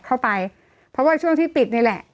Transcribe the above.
เข้าไปเพราะว่าช่วงที่ปิดนี่แหละ